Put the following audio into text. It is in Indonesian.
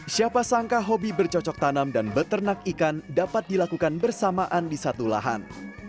siapa sangka hobi bercocok tanam dan beternak ikan dapat dilakukan bersamaan di satu lahan